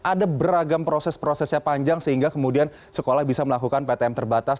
ada beragam proses prosesnya panjang sehingga kemudian sekolah bisa melakukan ptm terbatas